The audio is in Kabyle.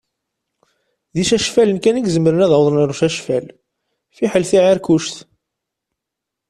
D icacfalen kan i izemren ad awḍen ar ucacfal, fiḥel tiεiṛkuct.